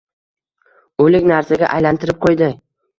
o‘lik narsaga aylantirib qo‘ydi.